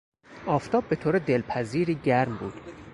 آفتاب به طور دلپذیری گرم بود.